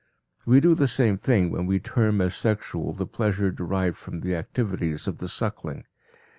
We do the same thing when we term as sexual the pleasure derived from the activities of the suckling.